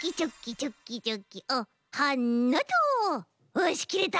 よしきれた。